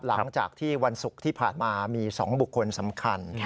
หลังจากที่วันศุกร์ที่ผ่านมามี๒บุคคลสำคัญ